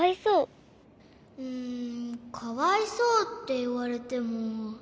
うんかわいそうっていわれても。